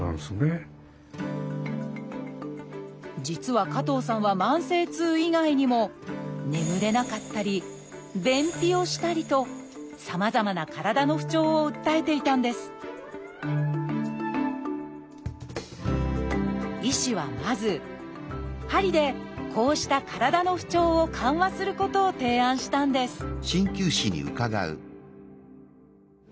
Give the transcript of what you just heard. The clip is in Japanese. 実は加藤さんは慢性痛以外にも眠れなかったり便秘をしたりとさまざまな体の不調を訴えていたんです医師はまず鍼でこうした体の不調を緩和することを提案したんです